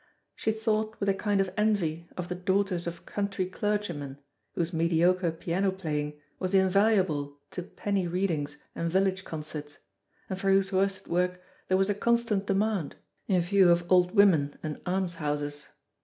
She thought with a kind of envy of the daughters of country clergymen, whose mediocre piano playing was invaluable to penny readings and village concerts, and for whose worsted work there was a constant demand, in view of old women and almshouses.